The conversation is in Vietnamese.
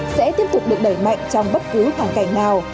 sẽ tiếp tục được đẩy mạnh trong bất cứ hoàn cảnh nào